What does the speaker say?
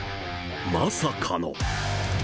まさかの。